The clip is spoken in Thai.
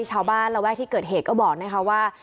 ชาวบ้านและแว่ที่เกิดเหตุก็บอกนะคะว่า